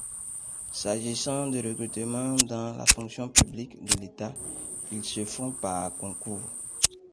S'agissant de recrutements dans la fonction publique de l'État, ils se font par concours.